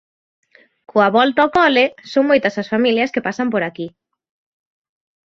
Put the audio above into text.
Coa volta ao cole, son moitas as familias que pasan por aquí.